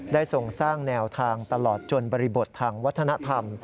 ทรงสร้างแนวทางตลอดจนบริบททางวัฒนธรรม